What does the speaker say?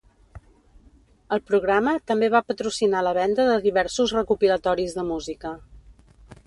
El programa també va patrocinar la venda de diversos recopilatoris de música.